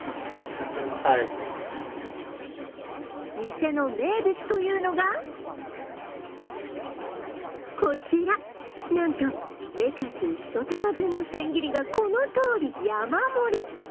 店の名物というのがこちら、なんとレタス１玉分の千切りがこのとおり、山盛り。